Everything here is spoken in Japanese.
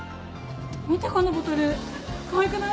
見てこのボトルかわいくない？